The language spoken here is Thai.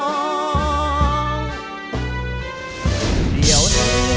เดี๋ยวนี้ซะ